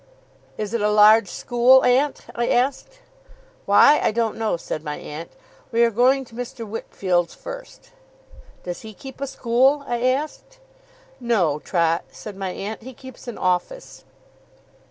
'Is it a large school, aunt?' I asked. 'Why, I don't know,' said my aunt. 'We are going to Mr. Wickfield's first.' 'Does he keep a school?' I asked. 'No, Trot,' said my aunt. 'He keeps an office.